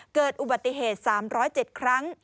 เกิดอุบัติเหตุ๓๐๗ครั้ง